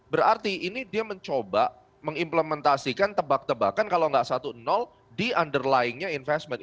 berarti ini dia mencoba mengimplementasikan tebak tebakan kalau nggak satu di underlyingnya investment